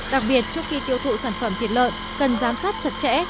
đặc biệt trước khi tiêu thụ sản phẩm thịt lợn cần giám sát chặt chẽ